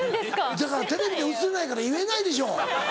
だからテレビで映せないから言えないでしょ。